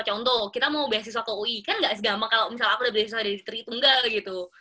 contoh kita mau beasiswa ke ui kan gak segampang kalo misalnya aku udah beasiswa di tri itu engga gitu